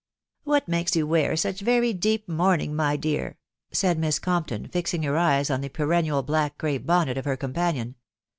"What makes you wear such very deep mourning, my dear ?" said Miss Compton^ fixing her eyes on the perennial black crape bonnet of her companion.